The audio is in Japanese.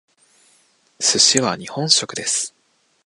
寿司は日本食です。